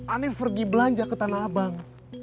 anies pergi belanja ke tanah abang